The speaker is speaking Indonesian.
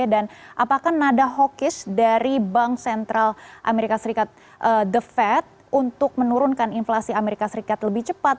dan apakah nada hokis dari bank sentral as the fed untuk menurunkan inflasi as lebih cepat